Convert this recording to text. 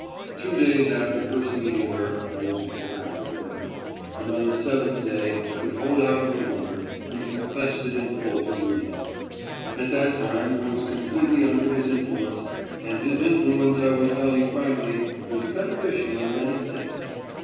Two days after first meeting her I was wild over her, and on the seventh day I could hold out no longer, and confessed it in full to Rudin. At that time I was completely under his influence, and his influence, I will tell you frankly, was beneficial in many things.